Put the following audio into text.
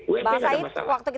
ump nggak ada masalah